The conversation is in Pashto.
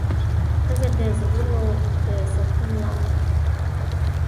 ښځه د زړونو د سکون لامل ده.